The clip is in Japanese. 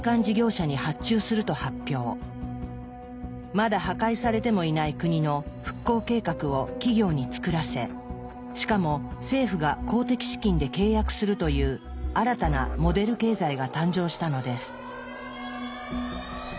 まだ破壊されてもいない国の復興計画を企業に作らせしかも政府が公的資金で契約するという新たな「モデル経済」が誕生したのです。